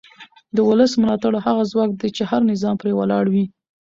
د ولس ملاتړ هغه ځواک دی چې هر نظام پرې ولاړ وي